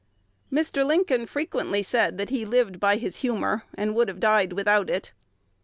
Mr. Lincoln frequently said that he lived by his humor, and would have died without it.